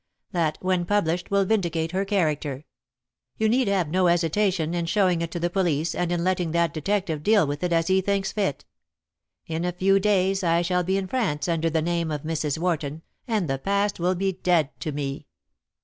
That, when published, will vindicate her character. You need have no hesitation in showing it to the police and in letting that detective deal with it as he thinks fit. In a few days I shall be in France under the name of Mrs. Wharton, and the past will be dead to me.